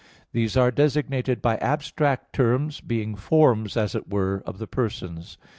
2). These are designated by abstract terms, being forms, as it were, of the persons.